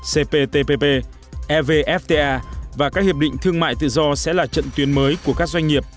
cptpp evfta và các hiệp định thương mại tự do sẽ là trận tuyến mới của các doanh nghiệp